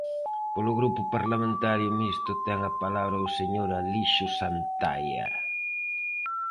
Polo Grupo Parlamentario Mixto, ten a palabra o señor Alixo Santaia.